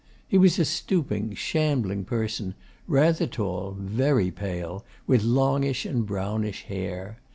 He was a stooping, shambling person, rather tall, very pale, with longish and brownish hair.